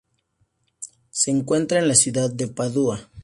Se encuentra en la ciudad de Padua.